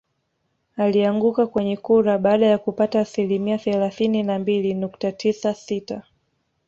Alianguka kwenye kura baada ya kupata asilimia thelathini na mbili nukta tisa sita